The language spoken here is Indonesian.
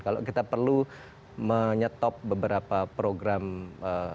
kalau kita perlu menyetop beberapa program